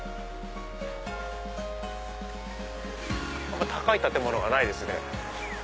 ここは高い建物がないですね。